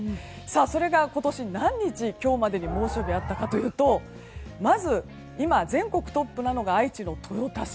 それが今年何日、今日までに猛暑日があったかというとまず今、全国トップなのが愛知県豊田市。